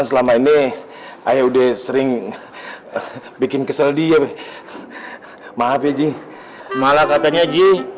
selama ini ayo udah sering bikin kesel dia maaf ya ji malah katanya ji